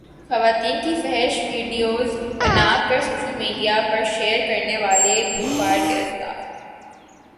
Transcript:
خواتین کی فحش ویڈیوز بناکر سوشل میڈیا پرشیئر کرنے والا گلوکار گرفتار